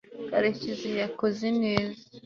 karekezi yakoze neza